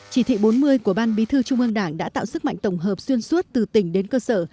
chỉ thị bốn mươi của ban bí thư trung ương đảng đã tạo sức mạnh tổng hợp xuyên suốt từ tỉnh đến cơ sở